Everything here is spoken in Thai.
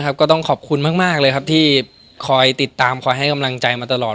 ก็ต้องขอบคุณมากเลยครับที่คอยติดตามคอยให้กำลังใจมาตลอด